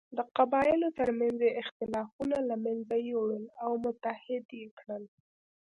د قبایلو تر منځ یې اختلافونه له منځه یووړل او متحد یې کړل.